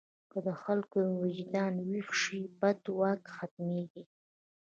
که د خلکو وجدان ویښ شي، بد واک ختمېږي.